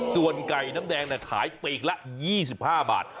ส่วนไก่น้ำแดงขายปีกละ๒๕บาท